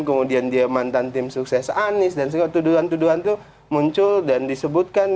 kemudian dia mantan tim sukses anis dan segala tuduhan tuduhan itu muncul dan disebutkan